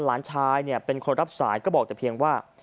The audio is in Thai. หลานชายเป็นคนรับสายก็บอกแต่เพียงว่า